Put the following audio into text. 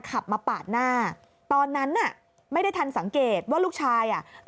ขับมาปาดหน้าตอนนั้นน่ะไม่ได้ทันสังเกตว่าลูกชายอ่ะ